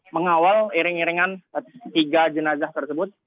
mengawal iring iringan tiga jenazah tersebut